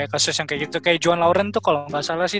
kayak juan lauren tuh kalau gak salah sih